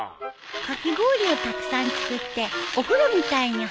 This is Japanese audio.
かき氷をたくさん作ってお風呂みたいに入ったら。